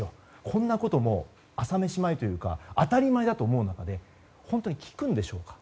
こんなこと、朝飯前というか当たり前だと思う中で本当に効くんでしょうか。